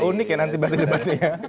unik ya nanti batik debatnya